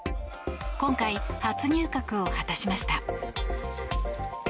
今回、初入閣を果たしました。